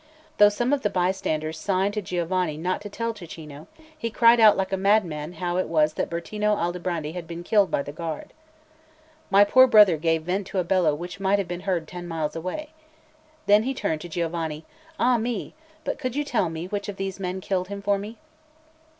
Though some of the bystanders signed to Giovanni not to tell Cecchino, he cried out like a madman how it was that Bertino Aldobrandi had been killed by the guard. My poor brother gave vent to a bellow which might have been heard ten miles away. Then he turned to Giovanni: "Ah me! but could you tell me which of those men killed him for me?"